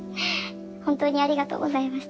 ほんとにありがとうございました。